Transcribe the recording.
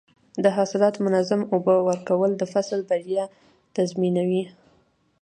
د حاصلاتو منظم اوبه ورکول د فصل بریا تضمینوي.